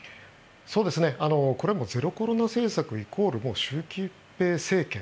これもゼロコロナ政策イコール習近平政権。